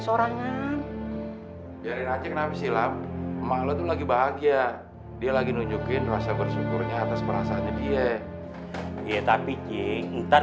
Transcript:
seorangnya maklum lagi bahagia dia lagi nunjukin rasa bersyukurnya atas perasaannya dia tapi cinta